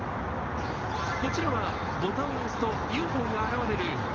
こちらはボタンを押すとＵＦＯが現れるＵＦＯ